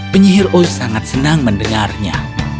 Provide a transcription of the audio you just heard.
penyihir oz sangat senang mendengarnya